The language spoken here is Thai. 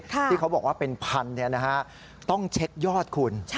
ที่เขาบอกว่าเป็นพันต้องเช็คยอดคุณ